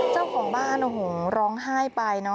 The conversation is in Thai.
เจ้าของบ้านโอ้โหร้องไห้ไปเนอะ